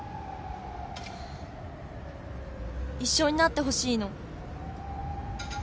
一緒になってほしいの。